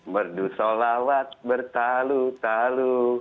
merdu solawat bertalu talu